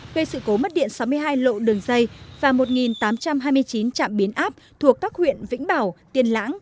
gây sự cố mất điện sáu mươi hai lộ đường dây và một tám trăm hai mươi chín trạm biến áp thuộc các huyện vĩnh bảo tiền lãng